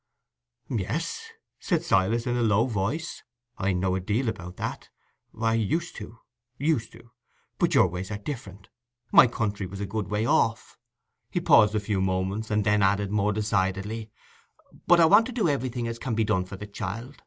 "Yes," said Silas, in a low voice; "I know a deal about that—used to, used to. But your ways are different: my country was a good way off." He paused a few moments, and then added, more decidedly, "But I want to do everything as can be done for the child.